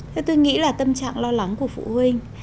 thế tôi nghĩ là tâm trạng lo lắng của phụ huynh